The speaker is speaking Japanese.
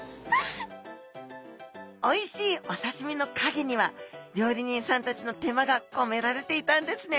おいしいおさしみのかげには料理人さんたちの手間がこめられていたんですね！